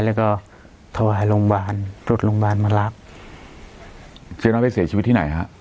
แล้วก็ถวายโรงพยาบาลตรวจโรงพยาบาลมารับเจ๊น้อยไปเสียชีวิตที่ไหนฮะ